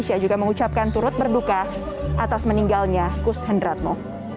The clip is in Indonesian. kus hendretmo juga mengucapkan turut berduka atas meninggalnya kus hendretmo